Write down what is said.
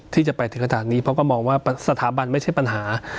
ที่จะไปถึงขนาดนี้เพราะก็มองว่าสถาบันไม่ใช่ปัญหา